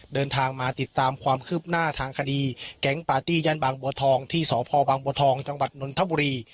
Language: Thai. เดินทางมาติดตามความคืบหน้าทางคดีแก๊งปาร์ตี้ย่านบางบัวทองที่สพบางบัวทองจังหวัดนนทบุรี